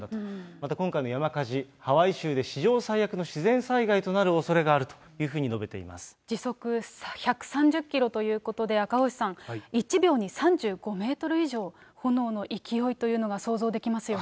また今回の山火事、ハワイ州で史上最悪の自然災害となるおそれがあるというふうに述時速１３０キロということで、赤星さん、１秒に３５メートル以上、炎の勢いというのが想像できますよね。